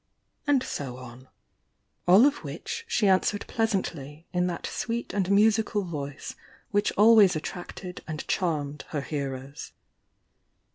— and so on, all of which she answered pleasantly in that sweet and musical voice which always attracted and charmed her hearers.